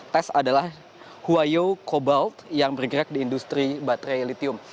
tes adalah huayo cobalt yang bergerak di industri baterai litium